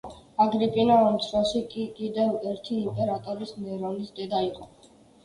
აგრიპინა უმცროსი კი კიდევ ერთი იმპერატორის, ნერონის დედა იყო.